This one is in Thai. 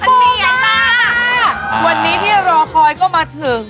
วันนี้ที่เรารอคอยก็มาถึง